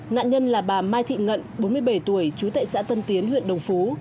nạn nhân là bà mai thị ngận bốn mươi bảy tuổi trú tại xã tân tiến huyện đồng phú